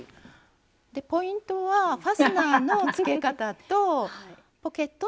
ポイントはファスナーのつけ方とポケットの作り方になります。